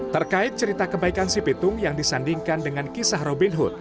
terkait cerita kebaikan si pitung yang disandingkan dengan kisah robin hood